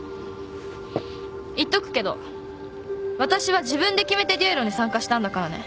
言っとくけどわたしは自分で決めて決闘に参加したんだからね。